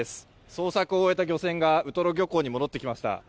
捜索を終えた漁船がウトロ漁港に戻ってきました。